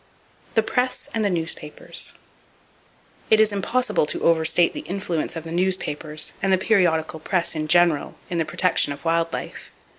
The Press And The Newspapers. —It is impossible to overestimate the influence of the newspapers and the periodical press in general, in the protection of wild life.